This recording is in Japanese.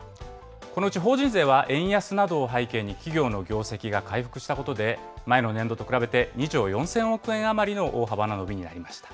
このうち法人税は、円安などを背景に、企業の業績が回復したことで、前の年度と比べて２兆４０００億円余りの大幅な伸びになりました。